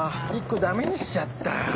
１個ダメにしちゃった。